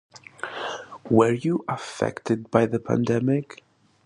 Were you affected by the pandemic?